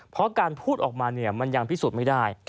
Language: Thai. เพราะการพูดออกมามันยังพิสูจน์ไม่ได้